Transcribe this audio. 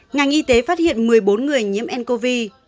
ngành y tế phát hiện một mươi bốn người nhiễm ncov